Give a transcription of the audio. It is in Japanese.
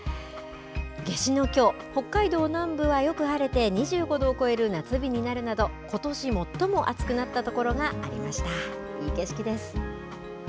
夏至のきょう、北海道南部はよく晴れて２５度を超える夏日になるなど、ことし最も暑くなった所がありました。